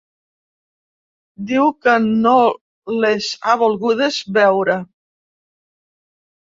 Diu que no les ha volgudes veure.